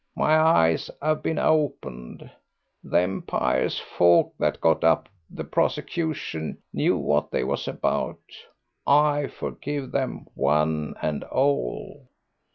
My eyes 'ave been opened. Them pious folk that got up the prosecution knew what they was about. I forgive them one and all."